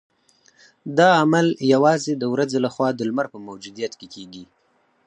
دا عمل یوازې د ورځې لخوا د لمر په موجودیت کې کیږي